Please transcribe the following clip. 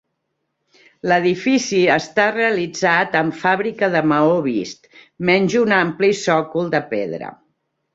L'edifici està realitzat amb fàbrica de maó vist, menys un ampli sòcol de pedra.